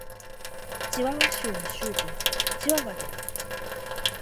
チワワ州の州都はチワワである